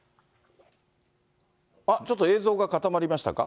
ちょっと映像が固まりましたか。